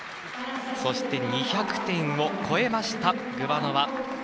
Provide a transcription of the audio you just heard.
そして２００点を超えましたグバノワ。